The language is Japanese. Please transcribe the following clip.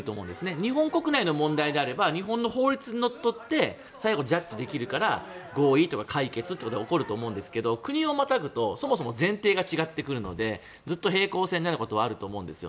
日本国内の問題であれば日本の法律にのっとって最後、ジャッジできるから合意とか解決ということが起こると思うんですけど国をまたぐとそもそも前提が違ってくるのでずっと平行線になることはあると思うんですよ。